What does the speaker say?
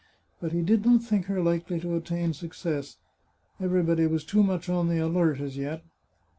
But he did not think her likely to attain success. Everybody was too much on the alert as yet.